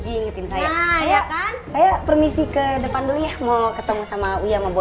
ingetin saya saya permisi ke depan dulu ya mau ketemu sama uya mau